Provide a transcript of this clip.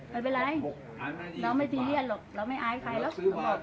ไม่เป็นไรเราไม่ซีเรียสหรอกเราไม่อายใครหรอก